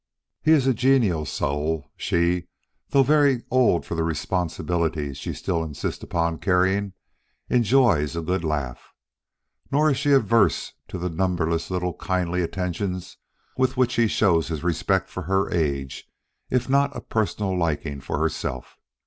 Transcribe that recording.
He is a genial soul; she, though very old for the responsibilities she still insists upon carrying, enjoys a good laugh. Nor is she averse to the numberless little kindly attentions with which he shows his respect for her age if not a personal liking for herself.